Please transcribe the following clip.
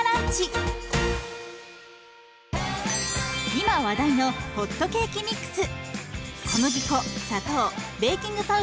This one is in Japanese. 今話題のホットケーキミックス。